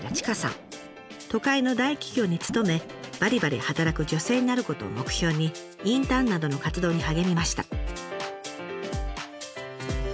都会の大企業に勤めバリバリ働く女性になることを目標にインターンなどの活動に励みました。